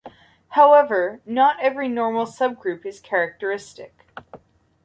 However, not every normal subgroup is characteristic.